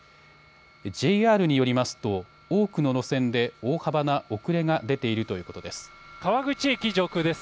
ＪＲによりますと多くの路線で大幅な遅れが出ているということです。